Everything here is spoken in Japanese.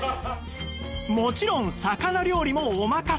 もちろん魚料理もお任せ！